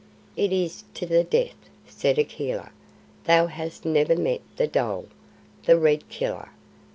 "It is to the death," said Akela. "Thou hast never met the dhole the Red Killer.